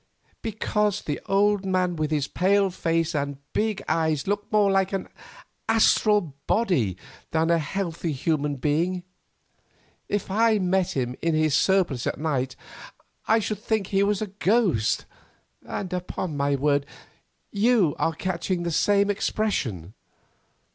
Because the old man with his pale face and big eyes looked more like an astral body than a healthy human being; if I met him in his surplice at night, I should think he was a ghost, and upon my word, you are catching the same expression.